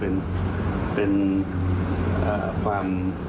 แปลคือ